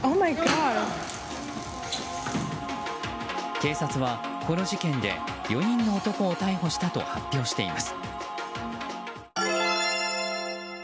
警察は、この事件で４人の男を逮捕したと発表しています。